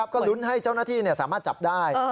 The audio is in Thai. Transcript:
ก็ลุ้นให้เจ้าหน้าที่สามารถจับได้